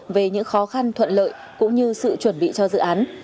về những khó khăn thuận lợi cũng như sự chuẩn bị cho dự án